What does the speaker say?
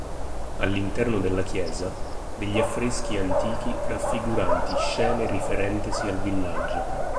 All'interno della chiesa, degli affreschi antichi raffiguranti scene riferentesi al villaggio.